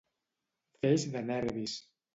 Feix de nervis.